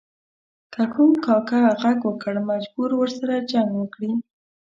که کوم کاکه ږغ وکړ مجبور و ورسره جنګ وکړي.